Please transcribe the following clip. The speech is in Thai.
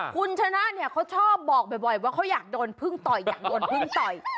คุณชนะเนี่ยเขาชอบบอกบ่อยว่าเขาอยากโดนพึ่งต่อยอยากโดนพึ่งต่อย